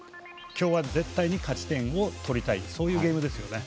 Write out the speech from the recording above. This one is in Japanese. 今日は絶対に勝ち点を取りたいゲームですね。